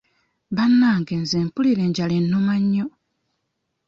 Bannange nze mpulira enjala ennuma nnyo.